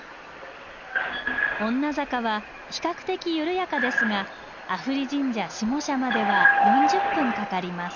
女坂は比較的緩やかですが阿夫利神社下社までは４０分かかります。